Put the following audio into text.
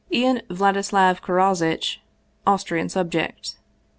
Ian Vladislav Karozitch, Austrian subject.